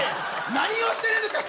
何をしてるんですか２人で。